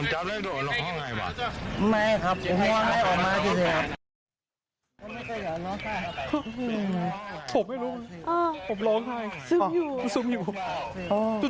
หึเฮ้ผมร้องไห้คนอยู่